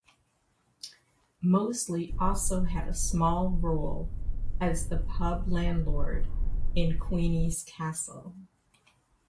Mosley also had a small role as the pub landlord in "Queenie's Castle".